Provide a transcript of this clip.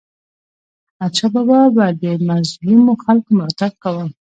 احمدشاه بابا به د مظلومو خلکو ملاتړ کاوه.